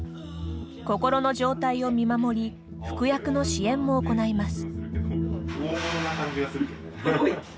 心の状態を見守り服薬の支援も行います。